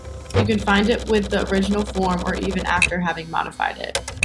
You can find it with the original form or even after having modified it.